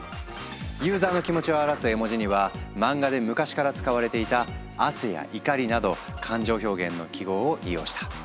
ユーザーの気持ちを表す絵文字には漫画で昔から使われていた汗や怒りなど感情表現の記号を利用した。